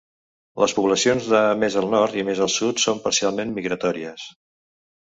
Les poblacions de més al nord i més al sud són parcialment migratòries.